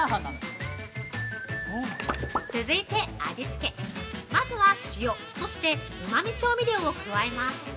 ◆続いて味つけ、まずは塩、そしてうまみ調味料を加えます。